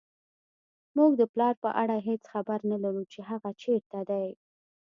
موږ د پلار په اړه هېڅ خبر نه لرو چې هغه چېرته دی